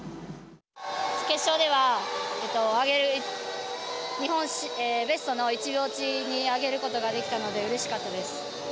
決勝ではベストの１秒落ちに上げることができたのでうれしかったです。